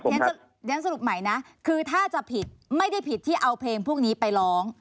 เรียนสรุปใหม่นะคือถ้าจะผิดไม่ได้ผิดที่เอาเพลงพวกนี้ไปร้อง